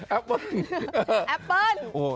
แอปเปิ้ล